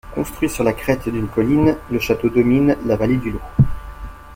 Construit sur la crête d'une colline, le château domine la vallée du Lot.